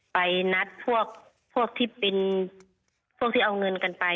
ไปนัดพวกที่เอาเงินกันไป